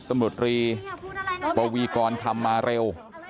นี่พูดอะไรล่ะประวีกรทำมาเร็ว